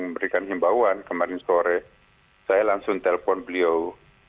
memberikan himbauan kemarin sore saya langsung telpon beliau